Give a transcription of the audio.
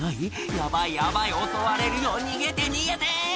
ヤバいヤバい襲われるよ逃げて逃げて！